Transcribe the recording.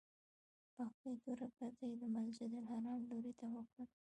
باقي دوه رکعته یې د مسجدالحرام لوري ته وکړل.